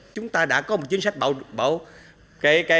chúng ta đã có một chính sách bảo đảm